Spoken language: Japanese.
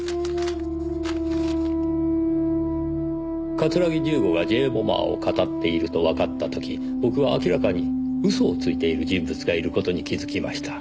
桂木重吾がＪ・ボマーを騙っているとわかった時僕は明らかに嘘をついている人物がいる事に気づきました。